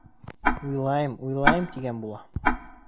— Уйлайым, уйлайым, тигән була.